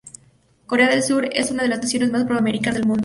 Corea del Sur es una de las naciones más pro-americanas del mundo.